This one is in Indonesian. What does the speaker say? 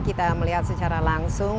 kita melihat secara langsung